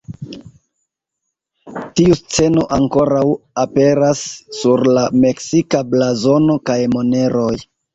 Tiu sceno ankoraŭ aperas sur la meksika blazono kaj moneroj.